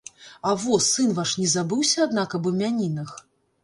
А во, сын ваш не забыўся, аднак, аб імянінах?